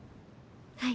はい。